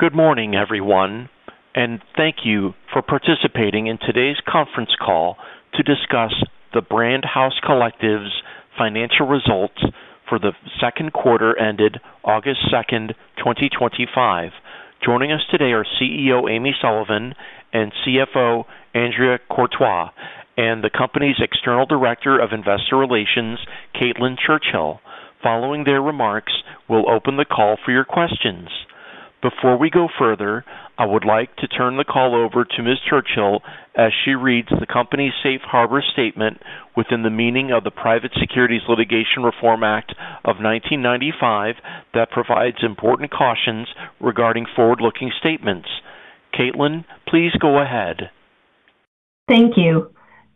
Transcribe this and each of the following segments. Good morning, everyone, and thank you for participating in today's conference call to discuss The Brand House Collective's financial results for the second quarter ended August 2, 2025. Joining us today are CEO Amy Sullivan, CFO Andrea Courtois, and the company's External Director of Investor Relations, Caitlin Churchill. Following their remarks, we'll open the call for your questions. Before we go further, I would like to turn the call over to Ms. Churchill as she reads the company's Safe Harbor statement within the meaning of the Private Securities Litigation Reform Act of 1995, which provides important cautions regarding forward-looking statements. Caitlin, please go ahead. Thank you.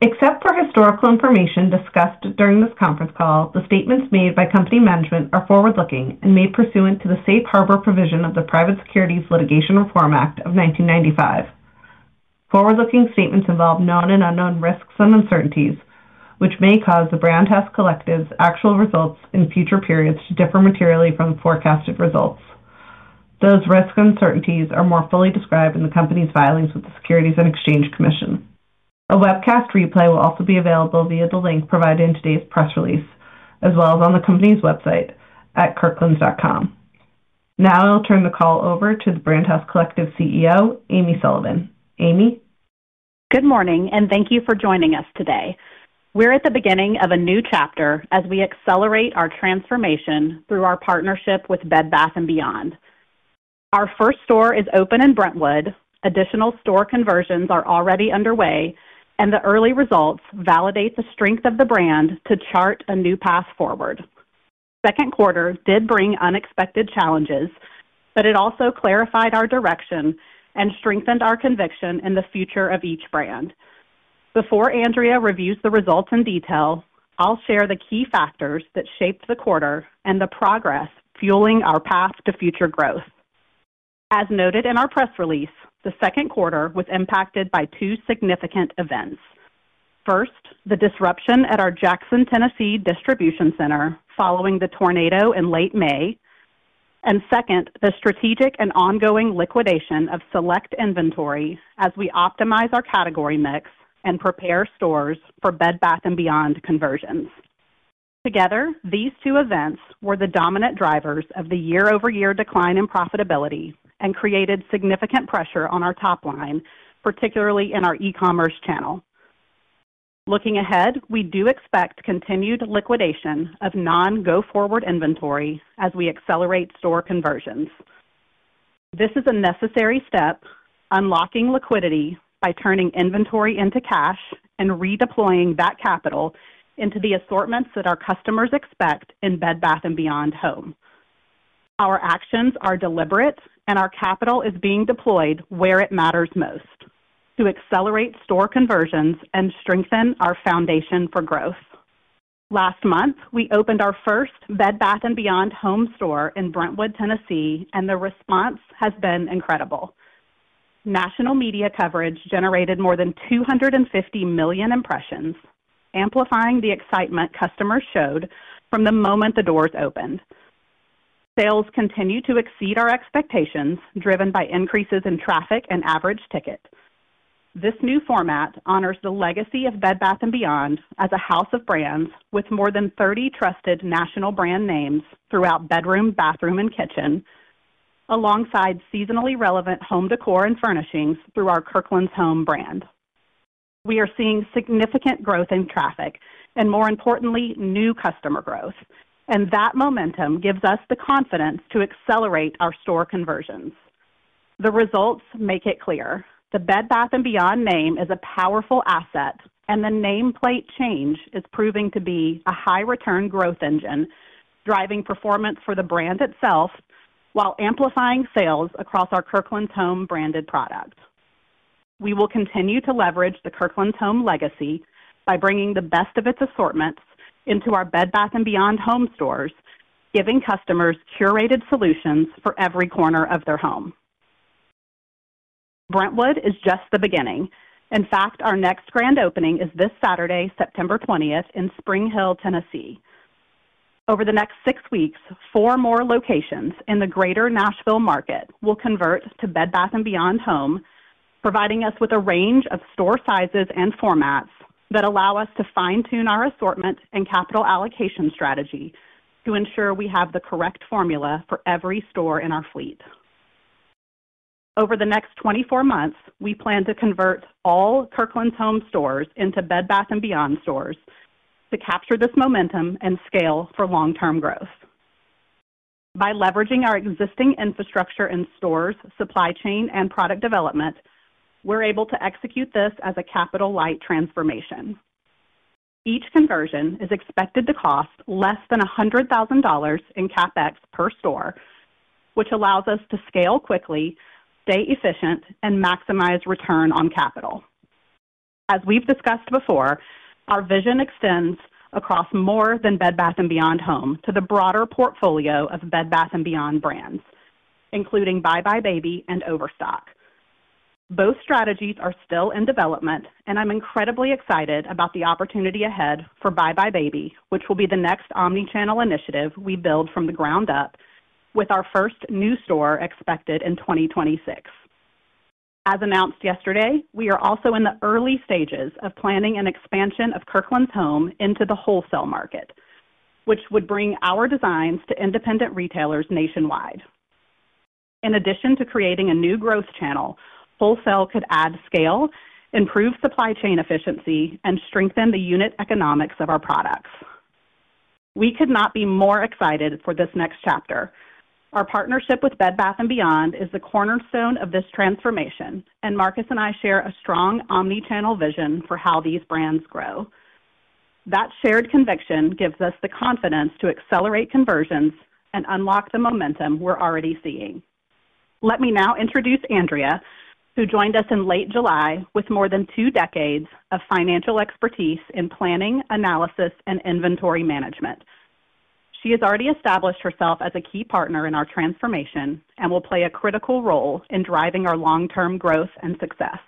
Except for historical information discussed during this conference call, the statements made by company management are forward-looking and made pursuant to the Safe Harbor provision of the Private Securities Litigation Reform Act of 1995. Forward-looking statements involve known and unknown risks and uncertainties, which may cause The Brand House Collective's actual results in future periods to differ materially from the forecasted results. Those risks and uncertainties are more fully described in the company's filings with the Securities and Exchange Commission. A webcast replay will also be available via the link provided in today's press release, as well as on the company's website at kirklands.com. Now I'll turn the call over to The Brand House Collective's CEO, Amy Sullivan. Amy? Good morning, and thank you for joining us today. We're at the beginning of a new chapter as we accelerate our transformation through our partnership with Bed Bath & Beyond. Our first store is open in Brentwood, additional store conversions are already underway, and the early results validate the strength of the brand to chart a new path forward. The second quarter did bring unexpected challenges, but it also clarified our direction and strengthened our conviction in the future of each brand. Before Andrea reviews the results in detail, I'll share the key factors that shaped the quarter and the progress fueling our path to future growth. As noted in our press release, the second quarter was impacted by two significant events. First, the disruption at our Jackson, Tennessee, distribution center following the tornado in late May, and second, the strategic and ongoing liquidation of select inventories as we optimize our category mix and prepare stores for Bed Bath & Beyond conversions. Together, these two events were the dominant drivers of the year-over-year decline in profitability and created significant pressure on our top line, particularly in our e-commerce channel. Looking ahead, we do expect continued liquidation of non-go-forward inventory as we accelerate store conversions. This is a necessary step, unlocking liquidity by turning inventory into cash and redeploying that capital into the assortments that our customers expect in Bed Bath & Beyond Home. Our actions are deliberate, and our capital is being deployed where it matters most: to accelerate store conversions and strengthen our foundation for growth. Last month, we opened our first Bed Bath & Beyond Home Store in Brentwood, Tennessee, and the response has been incredible. National media coverage generated more than 250 million impressions, amplifying the excitement customers showed from the moment the doors opened. Sales continue to exceed our expectations, driven by increases in traffic and average ticket. This new format honors the legacy of Bed Bath & Beyond as a house of brands with more than 30 trusted national brand names throughout bedroom, bathroom, and kitchen, alongside seasonally relevant home décor and furnishings through our Kirkland's Home brand. We are seeing significant growth in traffic and, more importantly, new customer growth, and that momentum gives us the confidence to accelerate our store conversions. The results make it clear: the Bed Bath & Beyond name is a powerful asset, and the nameplate change is proving to be a high-return growth engine, driving performance for the brand itself while amplifying sales across our Kirkland's Home branded product. We will continue to leverage the Kirkland's Home legacy by bringing the best of its assortments into our Bed Bath & Beyond Home Stores, giving customers curated solutions for every corner of their home. Brentwood is just the beginning. In fact, our next grand opening is this Saturday, September 20, in Spring Hill, Tennessee. Over the next six weeks, four more locations in the greater Nashville market will convert to Bed Bath & Beyond Home, providing us with a range of store sizes and formats that allow us to fine-tune our assortment and capital allocation strategy to ensure we have the correct formula for every store in our fleet. Over the next 24 months, we plan to convert all Kirkland's Home stores into Bed Bath & Beyond stores to capture this momentum and scale for long-term growth. By leveraging our existing infrastructure in stores, supply chain, and product development, we're able to execute this as a capital-light transformation. Each conversion is expected to cost less than $100,000 in CapEx per store, which allows us to scale quickly, stay efficient, and maximize return on capital. As we've discussed before, our vision extends across more than Bed Bath & Beyond Home to the broader portfolio of Bed Bath & Beyond brands, including Bye Bye Baby and Overstock. Both strategies are still in development, and I'm incredibly excited about the opportunity ahead for Bye Bye Baby, which will be the next omnichannel initiative we build from the ground up, with our first new store expected in 2026. As announced yesterday, we are also in the early stages of planning an expansion of Kirkland's Home into the wholesale market, which would bring our designs to independent retailers nationwide. In addition to creating a new growth channel, wholesale could add scale, improve supply chain efficiency, and strengthen the unit economics of our products. We could not be more excited for this next chapter. Our partnership with Bed Bath & Beyond is the cornerstone of this transformation, and Marcus and I share a strong omnichannel vision for how these brands grow. That shared conviction gives us the confidence to accelerate conversions and unlock the momentum we're already seeing. Let me now introduce Andrea, who joined us in late July with more than two decades of financial expertise in planning, analysis, and inventory management. She has already established herself as a key partner in our transformation and will play a critical role in driving our long-term growth and success.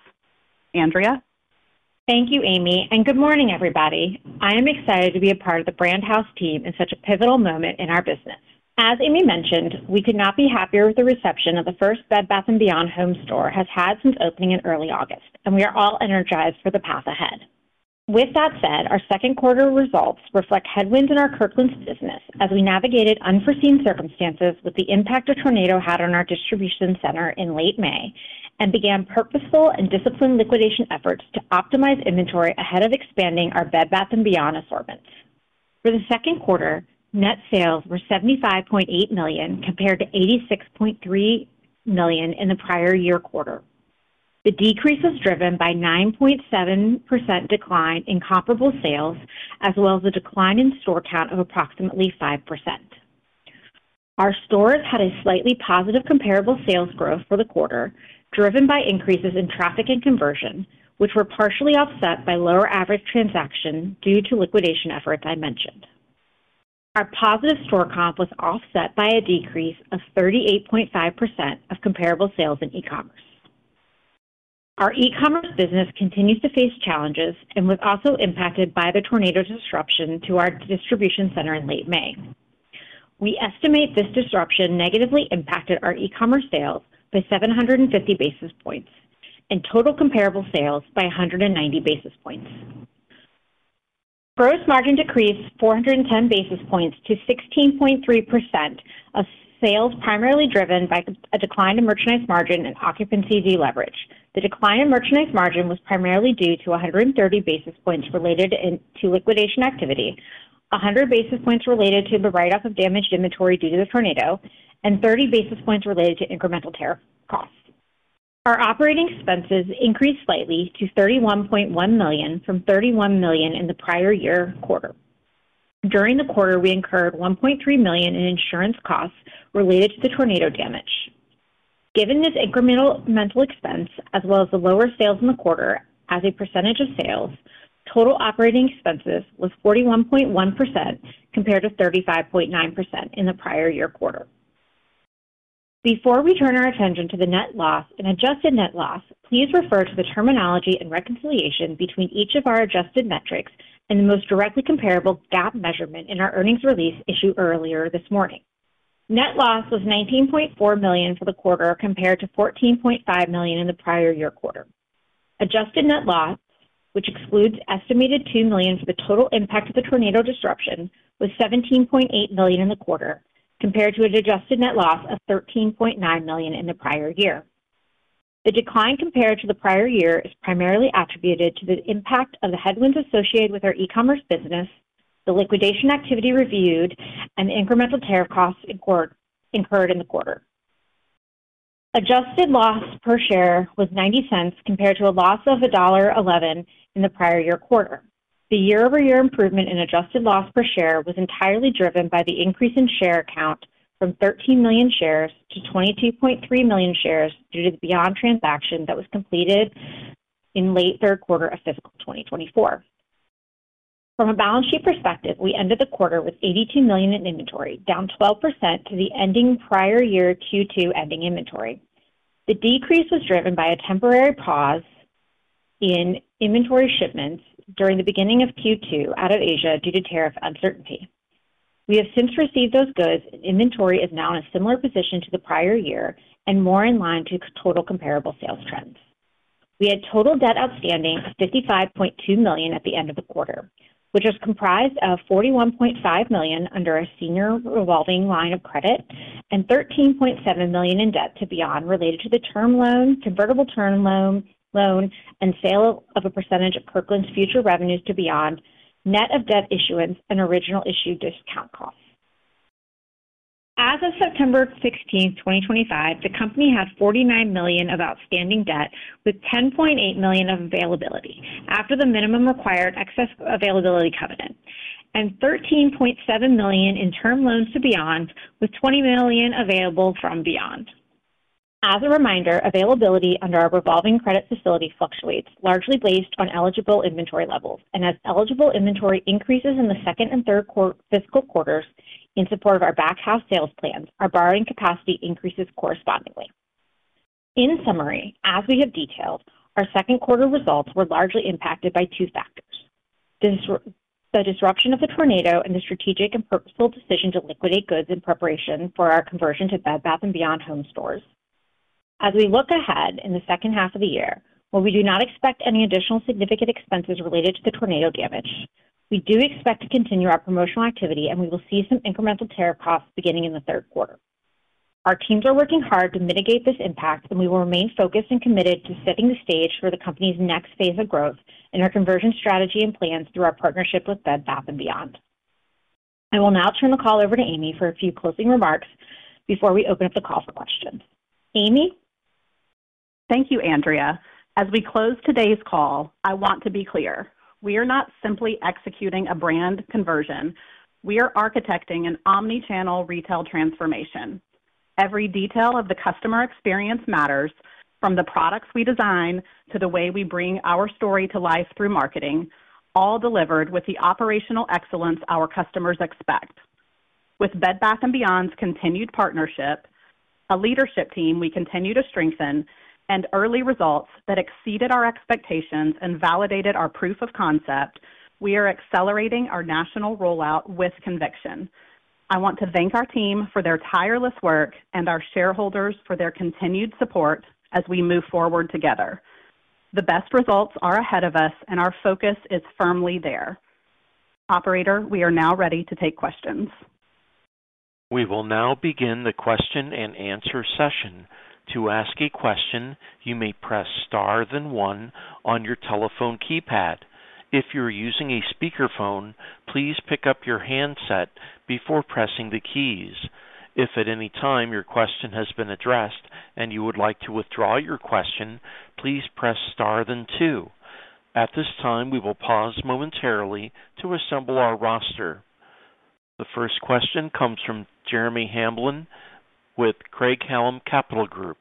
Andrea? Thank you, Amy, and good morning, everybody. I am excited to be a part of the Brand House Collective team in such a pivotal moment in our business. As Amy mentioned, we could not be happier with the reception that the first Bed Bath & Beyond Home Store has had since opening in early August, and we are all energized for the path ahead. With that said, our second quarter results reflect headwinds in our Kirkland's business as we navigated unforeseen circumstances with the impact a tornado had on our distribution center in late May and began purposeful and disciplined liquidation efforts to optimize inventory ahead of expanding our Bed Bath & Beyond assortments. For the second quarter, net sales were $75.8 million compared to $86.3 million in the prior year quarter. The decrease was driven by a 9.7% decline in comparable sales, as well as a decline in store count of approximately 5%. Our stores had a slightly positive comparable sales growth for the quarter, driven by increases in traffic and conversion, which were partially offset by lower average transaction due to liquidation efforts I mentioned. Our positive store count was offset by a decrease of 38.5% of comparable sales in e-commerce. Our e-commerce business continues to face challenges and was also impacted by the tornado disruption to our distribution center in late May. We estimate this disruption negatively impacted our e-commerce sales by 750 basis points and total comparable sales by 190 basis points. Gross margin decreased 410 basis points to 16.3% of sales, primarily driven by a decline in merchandise margin and occupancy deleverage. The decline in merchandise margin was primarily due to 130 basis points related to liquidation activity, 100 basis points related to the write-off of damaged inventory due to the tornado, and 30 basis points related to incremental tariff costs. Our operating expenses increased slightly to $31.1 million from $31 million in the prior year quarter. During the quarter, we incurred $1.3 million in insurance costs related to the tornado damage. Given this incremental expense, as well as the lower sales in the quarter, as a percentage of sales, total operating expenses were 41.1% compared to 35.9% in the prior year quarter. Before we turn our attention to the net loss and adjusted net loss, please refer to the terminology and reconciliation between each of our adjusted metrics and the most directly comparable GAAP measurement in our earnings release issued earlier this morning. Net loss was $19.4 million for the quarter compared to $14.5 million in the prior year quarter. Adjusted net loss, which excludes estimated $2 million for the total impact of the tornado disruption, was $17.8 million in the quarter compared to an adjusted net loss of $13.9 million in the prior year. The decline compared to the prior year is primarily attributed to the impact of the headwinds associated with our e-commerce business, the liquidation activity reviewed, and the incremental tariff costs incurred in the quarter. Adjusted loss per share was $0.90 compared to a loss of $1.11 in the prior year quarter. The year-over-year improvement in adjusted loss per share was entirely driven by the increase in share count from 13 million shares to 22.3 million shares due to the Beyond transaction that was completed in late third quarter of fiscal 2024. From a balance sheet perspective, we ended the quarter with $82 million in inventory, down 12% to the ending prior year Q2 ending inventory. The decrease was driven by a temporary pause in inventory shipments during the beginning of Q2 out of Asia due to tariff uncertainty. We have since received those goods, and inventory is now in a similar position to the prior year and more in line to total comparable sales trends. We had total debt outstanding of $55.2 million at the end of the quarter, which was comprised of $41.5 million under our senior revolving line of credit and $13.7 million in debt to Beyond related to the term loan, convertible term loan, and sale of a percentage of Kirkland's future revenues to Beyond, net of debt issuance, and original issue discount costs. As of September 16, 2025, the company has $49 million of outstanding debt with $10.8 million of availability after the minimum required excess availability covenant and $13.7 million in term loans to Beyond with $20 million available from Beyond. As a reminder, availability under our revolving credit facility fluctuates, largely based on eligible inventory levels, and as eligible inventory increases in the second and third quarter fiscal quarters in support of our backhouse sales plans, our borrowing capacity increases correspondingly. In summary, as we have detailed, our second quarter results were largely impacted by two factors: the disruption of the tornado and the strategic and purposeful decision to liquidate goods in preparation for our conversion to Bed Bath & Beyond Home Stores. As we look ahead in the second half of the year, we do not expect any additional significant expenses related to the tornado damage. We do expect to continue our promotional activity, and we will see some incremental tariff costs beginning in the third quarter. Our teams are working hard to mitigate this impact, and we will remain focused and committed to setting the stage for the company's next phase of growth in our conversion strategy and plans through our partnership with Bed Bath & Beyond. I will now turn the call over to Amy for a few closing remarks before we open up the call for questions. Amy? Thank you, Andrea. As we close today's call, I want to be clear. We are not simply executing a brand conversion. We are architecting an omnichannel retail transformation. Every detail of the customer experience matters, from the products we design to the way we bring our story to life through marketing, all delivered with the operational excellence our customers expect. With Bed Bath & Beyond's continued partnership, a leadership team we continue to strengthen, and early results that exceeded our expectations and validated our proof of concept, we are accelerating our national rollout with conviction. I want to thank our team for their tireless work and our shareholders for their continued support as we move forward together. The best results are ahead of us, and our focus is firmly there. Operator, we are now ready to take questions. We will now begin the question and answer session. To ask a question, you may press *1 on your telephone keypad. If you're using a speakerphone, please pick up your handset before pressing the keys. If at any time your question has been addressed and you would like to withdraw your question, please press *2. At this time, we will pause momentarily to assemble our roster. The first question comes from Jeremy Hamblin with Craig-Hallum Capital Group.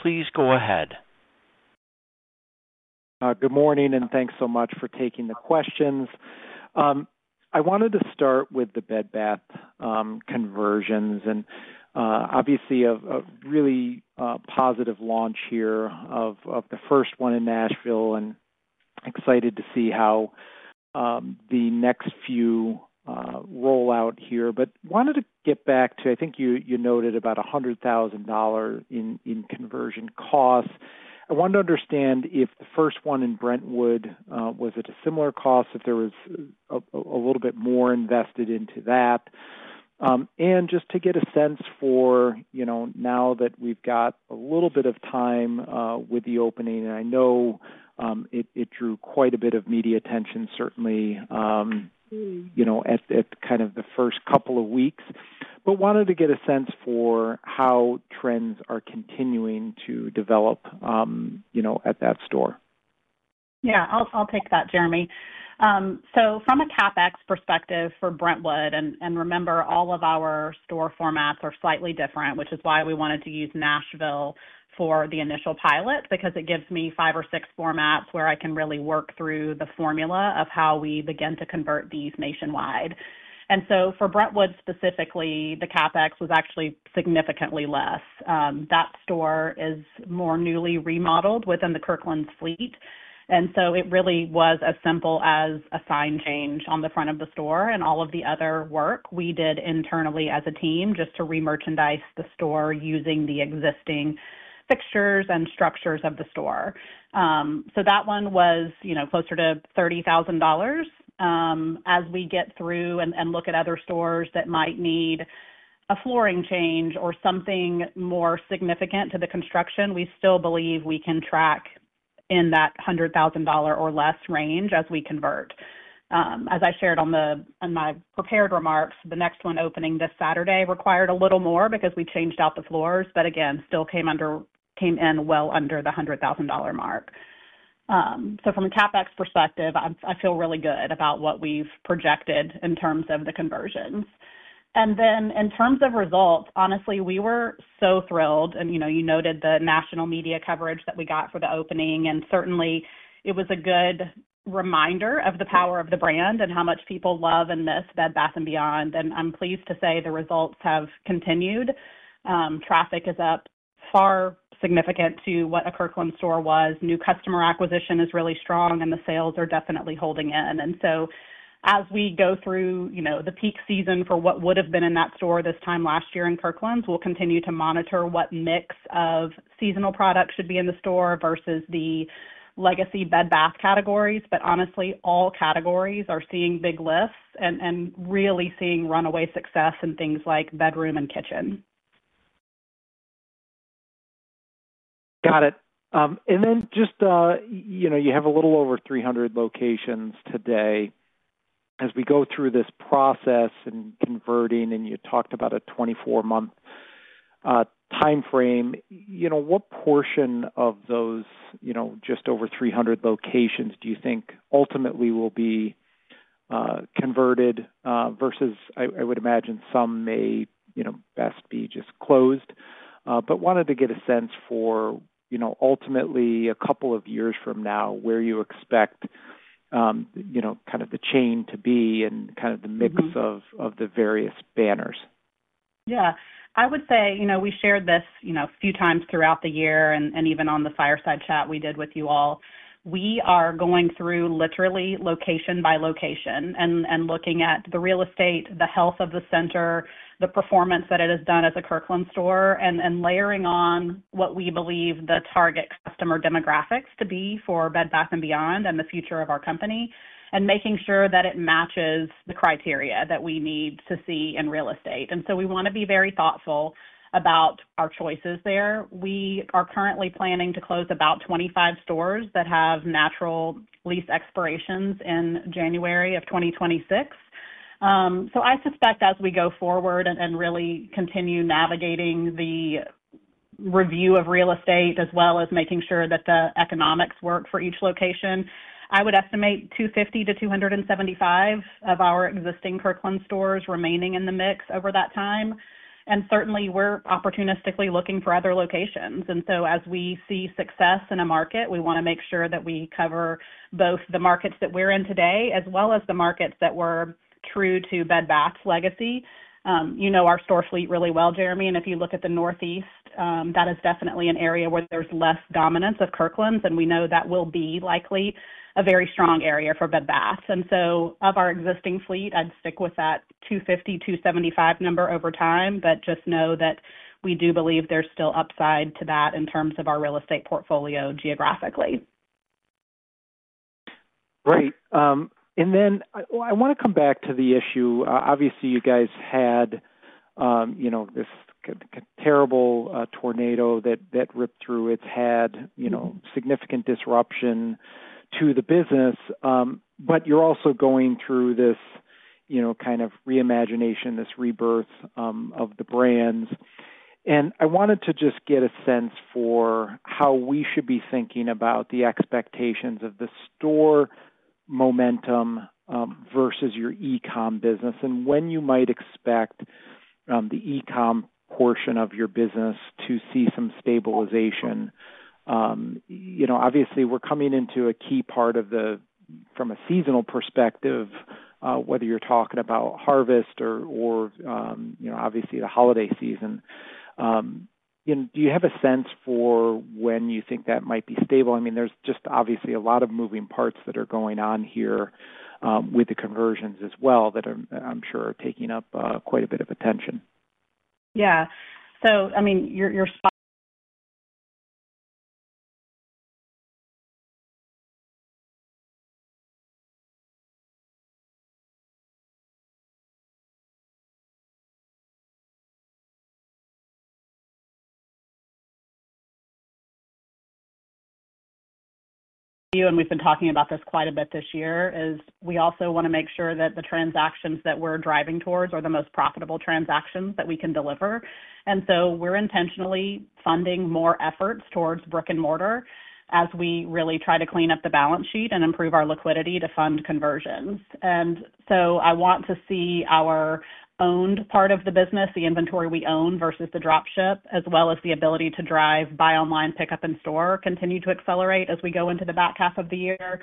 Please go ahead. Good morning, and thanks so much for taking the questions. I wanted to start with the Bed Bath & Beyond conversions and obviously a really positive launch here of the first one in Brentwood, and excited to see how the next few roll out here. I wanted to get back to, I think you noted about $100,000 in conversion costs. I wanted to understand if the first one in Brentwood was at a similar cost, if there was a little bit more invested into that. Just to get a sense for, now that we've got a little bit of time with the opening, and I know it drew quite a bit of media attention, certainly at kind of the first couple of weeks, I wanted to get a sense for how trends are continuing to develop at that store. Yeah, I'll take that, Jeremy. From a CapEx perspective for Brentwood, and remember all of our store formats are slightly different, which is why we wanted to use Nashville for the initial pilot, because it gives me five or six formats where I can really work through the formula of how we begin to convert these nationwide. For Brentwood specifically, the CapEx was actually significantly less. That store is more newly remodeled within the Kirkland's fleet. It really was as simple as a sign change on the front of the store and all of the other work we did internally as a team just to remerchandise the store using the existing fixtures and structures of the store. That one was closer to $30,000. As we get through and look at other stores that might need a flooring change or something more significant to the construction, we still believe we can track in that $100,000 or less range as we convert. As I shared in my prepared remarks, the next one opening this Saturday required a little more because we changed out the floors, but again, still came in well under the $100,000 mark. From a CapEx perspective, I feel really good about what we've projected in terms of the conversions. In terms of results, honestly, we were so thrilled. You noted the national media coverage that we got for the opening, and certainly it was a good reminder of the power of the brand and how much people love and miss Bed Bath & Beyond. I'm pleased to say the results have continued. Traffic is up far significant to what a Kirkland's store was. New customer acquisition is really strong, and the sales are definitely holding in. As we go through the peak season for what would have been in that store this time last year in Kirkland's, we'll continue to monitor what mix of seasonal products should be in the store versus the legacy Bed Bath categories. Honestly, all categories are seeing big lifts and really seeing runaway success in things like bedroom and kitchen. Got it. You have a little over 300 locations today. As we go through this process and converting, you talked about a 24-month timeframe. What portion of those just over 300 locations do you think ultimately will be converted versus, I would imagine, some may best be just closed? I wanted to get a sense for ultimately a couple of years from now where you expect the chain to be and the mix of the various banners. Yeah, I would say we shared this a few times throughout the year and even on the fireside chat we did with you all. We are going through literally location by location and looking at the real estate, the health of the center, the performance that it has done as a Kirkland's store, and layering on what we believe the target customer demographics to be for Bed Bath & Beyond and the future of our company, and making sure that it matches the criteria that we need to see in real estate. We want to be very thoughtful about our choices there. We are currently planning to close about 25 stores that have natural lease expirations in January of 2026. I suspect as we go forward and really continue navigating the review of real estate as well as making sure that the economics work for each location, I would estimate 250 to 275 of our existing Kirkland's stores remaining in the mix over that time. Certainly, we're opportunistically looking for other locations. As we see success in a market, we want to make sure that we cover both the markets that we're in today as well as the markets that were true to Bed Bath & Beyond's legacy. You know our store fleet really well, Jeremy, and if you look at the Northeast, that is definitely an area where there's less dominance of Kirkland's, and we know that will be likely a very strong area for Bed Bath & Beyond. Of our existing fleet, I'd stick with that 250-275 number over time, but just know that we do believe there's still upside to that in terms of our real estate portfolio geographically. Great. I want to come back to the issue. Obviously, you guys had this terrible tornado that ripped through. It's had significant disruption to the business. You're also going through this kind of reimagination, this rebirth of the brands. I wanted to just get a sense for how we should be thinking about the expectations of the store momentum versus your e-commerce business and when you might expect the e-commerce portion of your business to see some stabilization. Obviously, we're coming into a key part of the, from a seasonal perspective, whether you're talking about harvest or obviously the holiday season. Do you have a sense for when you think that might be stable? I mean, there's just obviously a lot of moving parts that are going on here with the conversions as well that I'm sure are taking up quite a bit of attention. Yeah. We've been talking about this quite a bit this year. We also want to make sure that the transactions that we're driving towards are the most profitable transactions that we can deliver. We're intentionally funding more efforts towards brick-and-mortar as we really try to clean up the balance sheet and improve our liquidity to fund conversions. I want to see our owned part of the business, the inventory we own versus the dropship, as well as the ability to drive buy online, pick up in store, continue to accelerate as we go into the back half of the year.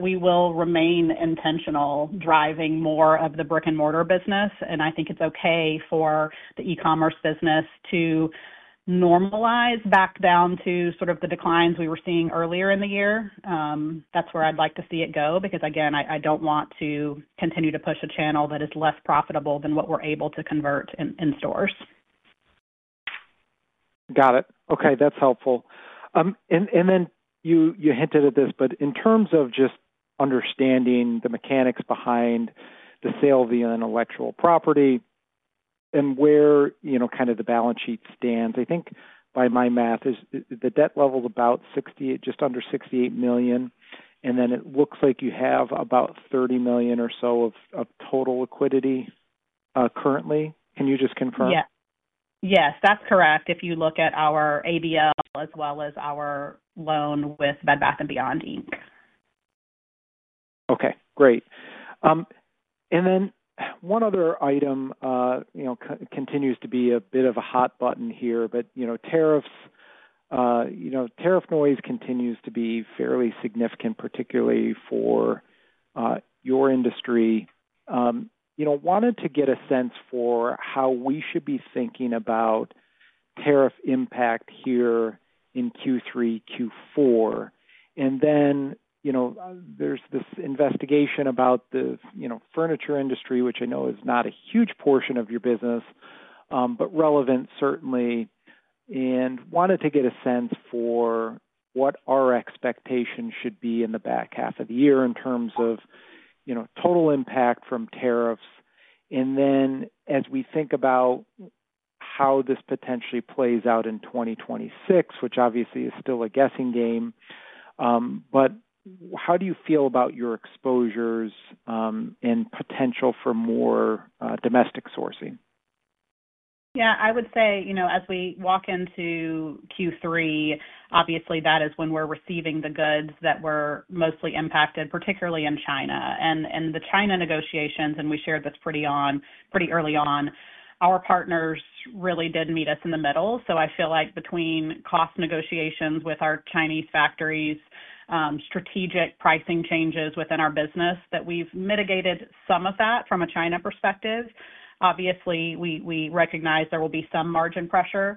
We will remain intentional driving more of the brick-and-mortar business. I think it's okay for the e-commerce business to normalize back down to sort of the declines we were seeing earlier in the year. That's where I'd like to see it go because, again, I don't want to continue to push a channel that is less profitable than what we're able to convert in stores. Got it. Okay. That's helpful. In terms of just understanding the mechanics behind the sale via intellectual property and where the balance sheet stands, I think by my math the debt level is about $68 million, just under $68 million. It looks like you have about $30 million or so of total liquidity currently. Can you just confirm? Yes, that's correct. If you look at our ABL as well as our loan with Bed Bath & Beyond. Okay. Great. One other item continues to be a bit of a hot button here, tariffs. Tariff noise continues to be fairly significant, particularly for your industry. I wanted to get a sense for how we should be thinking about tariff impact here in Q3, Q4. There is this investigation about the furniture industry, which I know is not a huge portion of your business, but relevant certainly. I wanted to get a sense for what our expectations should be in the back half of the year in terms of total impact from tariffs. As we think about how this potentially plays out in 2026, which obviously is still a guessing game, how do you feel about your exposures and potential for more domestic sourcing? Yeah, I would say, you know, as we walk into Q3, obviously that is when we're receiving the goods that were mostly impacted, particularly in China. The China negotiations, and we shared this pretty early on, our partners really did meet us in the middle. I feel like between cost negotiations with our Chinese factories and strategic pricing changes within our business, we've mitigated some of that from a China perspective. Obviously, we recognize there will be some margin pressure.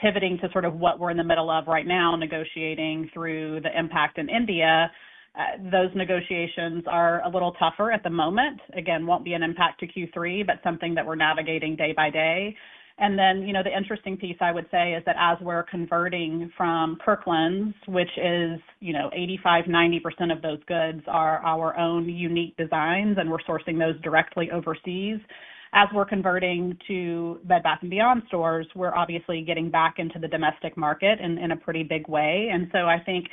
Pivoting to what we're in the middle of right now, negotiating through the impact in India, those negotiations are a little tougher at the moment. Again, it won't be an impact to Q3, but something that we're navigating day by day. The interesting piece I would say is that as we're converting from Kirkland's, which is, you know, 85% to 90% of those goods are our own unique designs, and we're sourcing those directly overseas. As we're converting to Bed Bath & Beyond stores, we're obviously getting back into the domestic market in a pretty big way. I think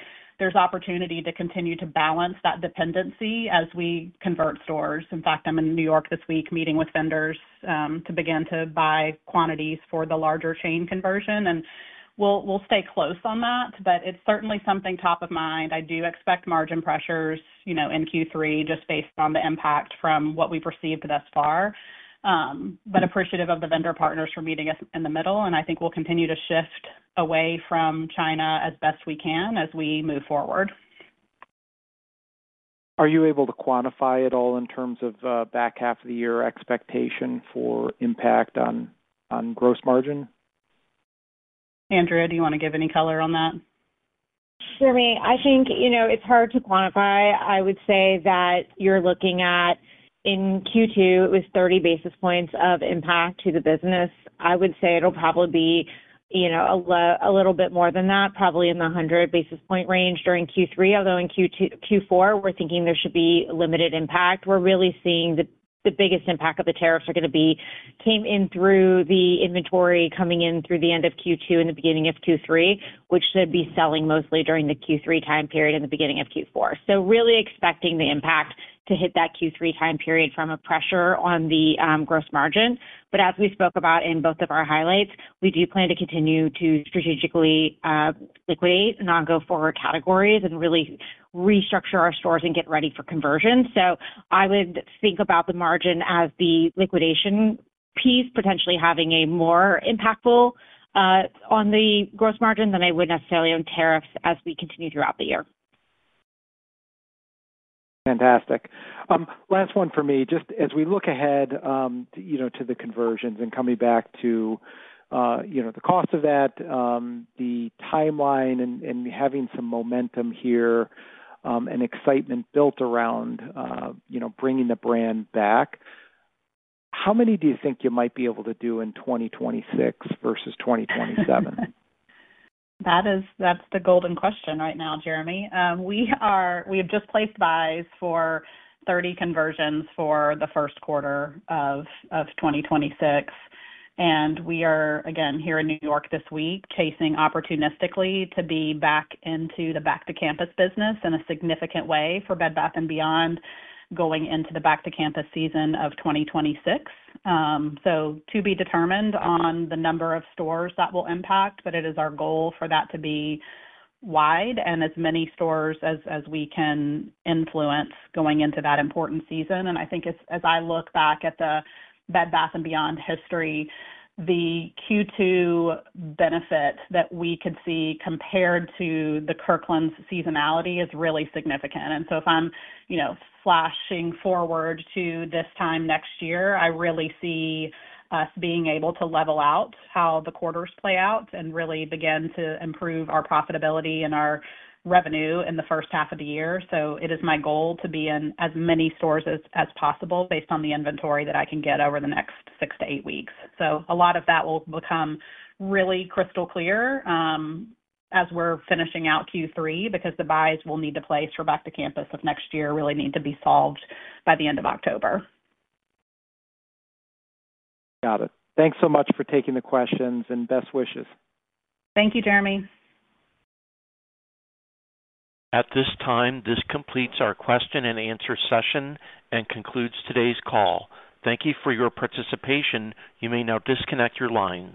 there's opportunity to continue to balance that dependency as we convert stores. In fact, I'm in New York this week meeting with vendors to begin to buy quantities for the larger chain conversion, and we'll stay close on that, but it's certainly something top of mind. I do expect margin pressures in Q3 just based on the impact from what we've received thus far. Appreciative of the vendor partners for meeting us in the middle, and I think we'll continue to shift away from China as best we can as we move forward. Are you able to quantify at all in terms of back half of the year expectation for impact on gross margin? Andrea, do you want to give any color on that? Jeremy, I think it's hard to quantify. I would say that you're looking at in Q2, it was 30 basis points of impact to the business. I would say it'll probably be a little bit more than that, probably in the 100 basis point range during Q3. Although in Q4, we're thinking there should be limited impact. We're really seeing the biggest impact of the tariffs are going to be coming in through the inventory, coming in through the end of Q2 and the beginning of Q3, which should be selling mostly during the Q3 time period and the beginning of Q4. Really expecting the impact to hit that Q3 time period from a pressure on the gross margin. As we spoke about in both of our highlights, we do plan to continue to strategically liquidate non-go-forward categories and really restructure our stores and get ready for conversion. I would think about the margin as the liquidation piece potentially having a more impactful on the gross margin than I would necessarily on tariffs as we continue throughout the year. Fantastic. Last one for me, just as we look ahead to the conversions and coming back to the cost of that, the timeline, and having some momentum here and excitement built around bringing the brand back. How many do you think you might be able to do in 2026 versus 2027? That's the golden question right now, Jeremy. We have just placed buys for 30 conversions for the first quarter of 2026. We are here in New York this week, chasing opportunistically to be back into the back-to-campus business in a significant way for Bed Bath & Beyond going into the back-to-campus season of 2026. To be determined on the number of stores that will impact, but it is our goal for that to be wide and as many stores as we can influence going into that important season. I think as I look back at the Bed Bath & Beyond history, the Q2 benefit that we could see compared to the Kirkland's seasonality is really significant. If I'm flashing forward to this time next year, I really see us being able to level out how the quarters play out and really begin to improve our profitability and our revenue in the first half of the year. It is my goal to be in as many stores as possible based on the inventory that I can get over the next six to eight weeks. A lot of that will become really crystal clear as we're finishing out Q3 because the buys we'll need to place for back-to-campus of next year really need to be solved by the end of October. Got it. Thanks so much for taking the questions and best wishes. Thank you, Jeremy. At this time, this completes our question and answer session and concludes today's call. Thank you for your participation. You may now disconnect your lines.